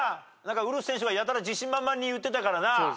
ウルフ選手がやたら自信満々に言ってたからな。